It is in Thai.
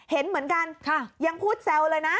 เห็นเหมือนกันค่ะยังพูดแซวเลยน่ะอ่า